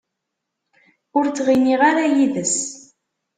Ur ttɣimiɣ ara yid-s.